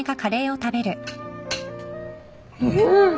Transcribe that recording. うん！